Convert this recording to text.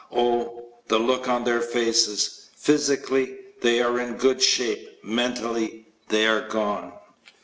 Oh, the looks on their faces! Physically, they are in good shape; mentally, they are gone.